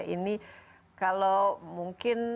ini kalau mungkin